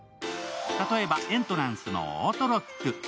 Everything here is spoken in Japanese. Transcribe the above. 例えば、エントランスのオートロック。